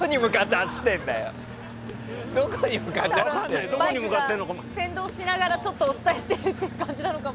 バイクが先導しながらお伝えしている感じなのかも。